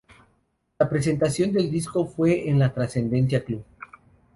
La presentación del disco fue en La Trastienda Club.